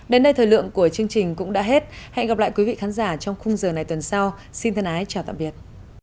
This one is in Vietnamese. đến đây thời lượng của chương trình cũng đã hết hẹn gặp lại quý vị khán giả trong khung giờ này tuần sau xin thân ái chào tạm biệt